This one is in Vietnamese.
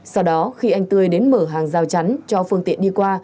sau đó khi anh tươi đến mở hàng rào chắn cho phương tiện đi qua